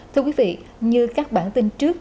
thưa quý vị như các bản tin trước